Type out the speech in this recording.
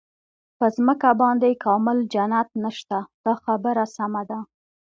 په ځمکه باندې کامل جنت نشته دا خبره سمه ده.